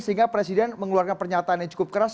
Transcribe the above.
sehingga presiden mengeluarkan pernyataan yang cukup keras